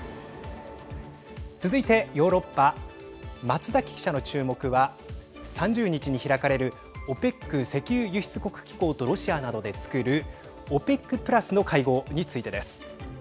続いてヨーロッパ松崎記者の注目は３０日に開かれるＯＰＥＣ＝石油輸出国機構とロシアなどでつくるＯＰＥＣプラスの会合についてです。